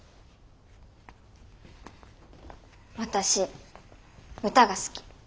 私歌が好き。